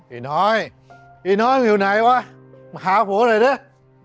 ไอ้น้อยไอ้น้อยมันอยู่ไหนวะมาหาผมอะไรด้วย